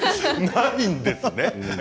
ないんですね。